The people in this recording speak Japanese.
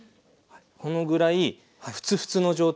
このぐらいフツフツの状態。